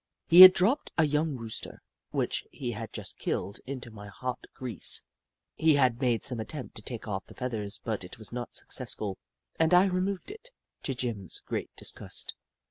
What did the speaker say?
He had dropped a young Rooster, which he had just killed, into my hot grease. He had made some attempt to take off the feathers but it was not successful, and I removed it, to Jim's great disgust.